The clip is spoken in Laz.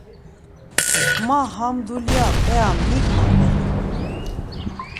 Ma ham dulya p̌ia mik moğodu.